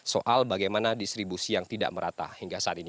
soal bagaimana distribusi yang tidak merata hingga saat ini